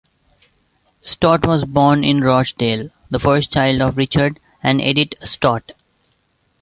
Stott was born in Rochdale, the first child of Richard and Edith Stott.